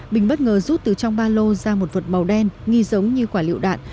bình bất ngờ rút từ trong ba lô ra một vật màu đen nghi giống như quả liệu đạn